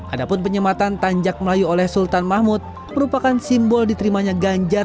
adapun penyematan tanjak melayu oleh sultan mahmud merupakan simbol diterimanya ganjar